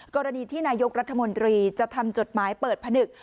กรณีที่นายกรัฐมนตรีจะทำจดหมายเปิดผนึก